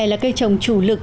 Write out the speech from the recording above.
là cây trồng chủ lực